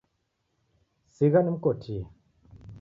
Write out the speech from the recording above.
Sigha nimkotie.